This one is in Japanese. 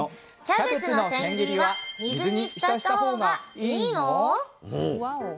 キャベツの千切りは水に浸したほうがイイの？